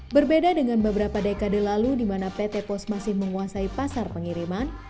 berbeda dengan beberapa dekade lalu di mana pt pos masih menguasai pasar pengiriman